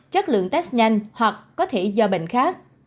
chất lượng test nhanh hoặc có thể do bệnh khác